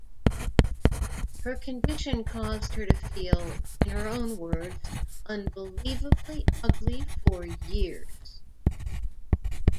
Her condition caused her to feel, in her own words, "unbelievably ugly for years".